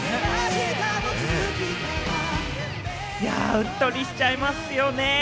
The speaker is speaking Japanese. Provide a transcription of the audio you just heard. うっとりしちゃいますよね！